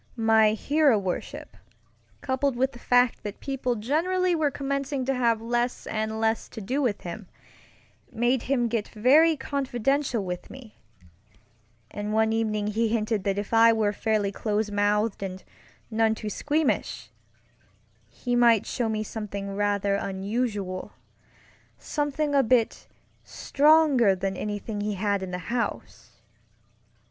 My hero worship, coupled with the fact that people generally were commencing to have less and less to do with him, made him get very confidential with me; and one evening he hinted that if I were fairly close mouthed and none too squeamish, he might show me something rather unusualŌĆösomething a bit stronger than anything he had in the house.